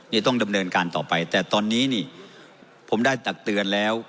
นี่ต้องดำเนินการต่อไปแต่ตอนนี้นี่ผมได้ตักเตือนแล้ว